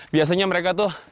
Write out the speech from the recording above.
biasanya mereka tuh